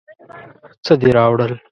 څه دې راوړل؟